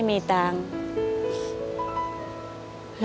ผมคิดว่าสงสารแกครับ